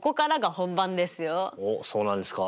おっそうなんですか。